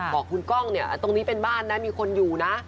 บอกคุณกล้องเนี่ยตรงนี้เป็นบ้านนะมีคนอยู่นะ